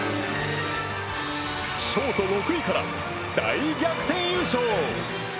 ショート６位から大逆転優勝。